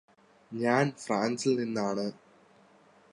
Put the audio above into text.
ഞാന് ഫ്രാൻസിൽ നിന്നാണ്